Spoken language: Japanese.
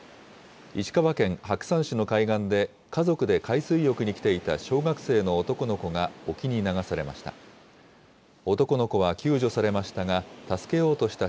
石川県白山市の海岸で家族で海水浴に来ていた小学生の男の子が沖に流されました。